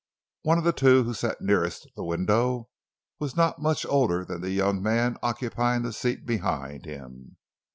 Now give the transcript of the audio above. One of the two, who sat nearest the window, was not much older than the young man occupying the seat behind him.